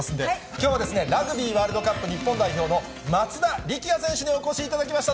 きょうはラグビーワールドカップ日本代表の松田力也選手にお越しいただきました。